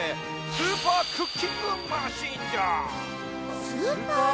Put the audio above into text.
スーパークッキングマシーン？